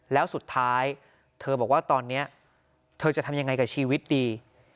แล้วสุดท้ายเธอบอกว่าตอนนี้เธอจะทำยังไงกับชีวิตดี